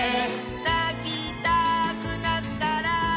「なきたくなったら」